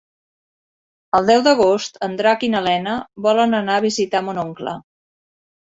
El deu d'agost en Drac i na Lena volen anar a visitar mon oncle.